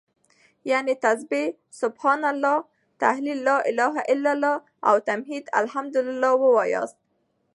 يعنې تسبيح سبحان الله، تهليل لا إله إلا الله او تحميد الحمد لله واياست